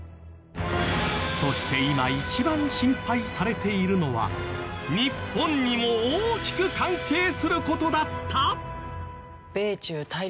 そして今一番心配されているのは日本にも大きく関係する事だった！？